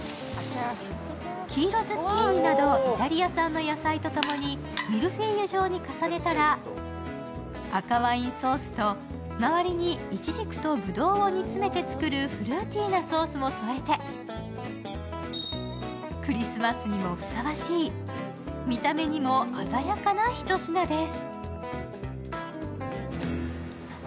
黄色ズッキーニなどイタリア産の野菜とともにミルフィーユ状に重ねたら、赤ワインソースと周りにいちじくとぶどうを煮詰めて作るフルーティーなソースも添えてクリスマスにもふさわしい見た目にも鮮やかな一品です。